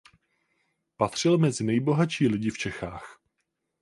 Patřil mezi nejbohatší lidi v Čechách.